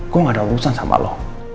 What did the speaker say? kok gak ada urusan sama lo